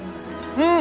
うん！